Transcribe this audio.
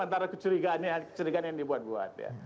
antara kecurigaan yang dibuat buat